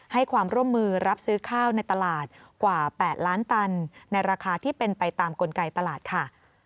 ให้ความร่วมมือรับซื้อข้าวในตลาดกว่า๘ล้านตันในราคาที่เป็นไปตามกลไกตลาดค่ะ